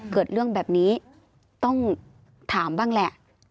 เกิดเรื่องแบบนี้ต้องถามบ้างแหละ